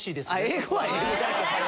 英語は英語じゃないとダメ？